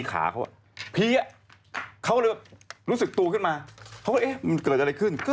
กลัวว่าผมจะต้องไปพูดให้ปากคำกับตำรวจยังไง